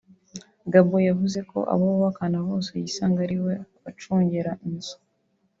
Gabor yavuze ko abo bubakana bose yisanga ari we acungera inzu